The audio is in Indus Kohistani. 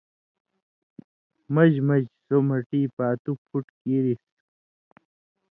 مژ مژ سو مٹی پاتُو پُھٹ کیرِسیۡ۔